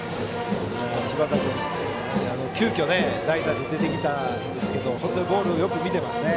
柴田君、急きょ代打で出てきたんですが本当にボールをよく見ていますね。